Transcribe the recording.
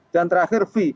dan terakhir v